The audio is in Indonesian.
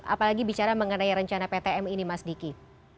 apalagi bicara mengenai rencana ptm ini mas diki